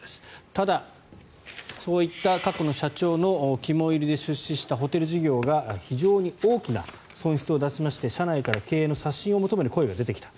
ただ、そういった過去の社長の肝煎りで出資したホテル事業は非常に大きな損失を出しまして社内から経営の刷新を求める声が出てきた。